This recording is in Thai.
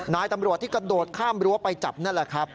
นายตำรวจที่กระโดดข้ามรั้วไปจับนั่นแหละครับ